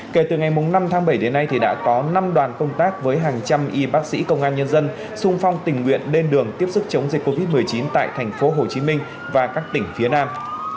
kể từ ngày năm tháng bảy đến nay đã có năm đoàn công tác với hàng trăm y bác sĩ công an nhân dân sung phong tình nguyện lên đường tiếp xúc chống dịch covid một mươi chín tại thành phố hồ chí minh và các tỉnh phía nam